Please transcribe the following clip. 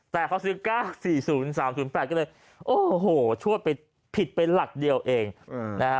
แต่เขาซื้อ๙๔๐๓๐๘ก็เลยโอ้โหชวดไปผิดไปหลักเดียวเองนะฮะ